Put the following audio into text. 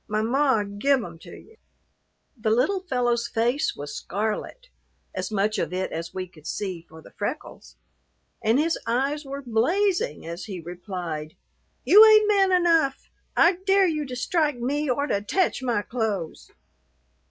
My ma give 'em to you." The little fellow's face was scarlet as much of it as we could see for the freckles and his eyes were blazing as he replied, "You ain't man enough. I dare you to strike me or to tech my clothes."